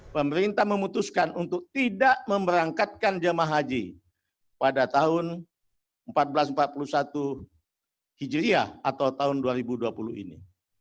pemerintah memutuskan untuk tidak memberangkatkan jemaah haji pada tahun seribu empat ratus empat puluh satu hijriah atau tahun dua ribu dua puluh ini